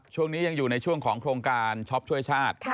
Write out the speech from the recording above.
ช่วงนี้ยังอยู่ในช่วงของโครงการช็อปช่วยชาติ